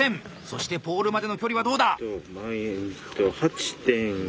そしてポールまでの距離はどうだ？